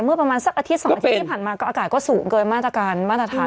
เมื่อประมาณสักอาทิตย์สองที่ที่ผ่านมา